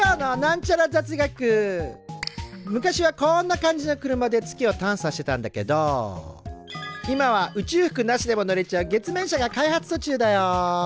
昔はこんな感じの車で月を探査してたんだけど今は宇宙服なしでも乗れちゃう月面車が開発とちゅうだよ。